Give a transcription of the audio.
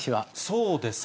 そうですか。